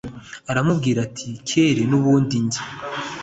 aramubwira ati kelli nubundi njye